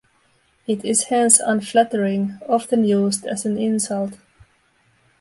It is hence unflattering, often used as an insult.